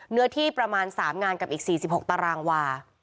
เนื้อที่ประมาณ๓งานกับอีก๔๖ตารางวา